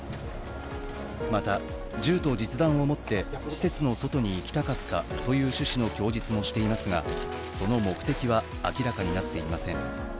また銃と実弾を持って施設の外に行きたかったという趣旨の供述もしていますが、その目的は明らかになっていません。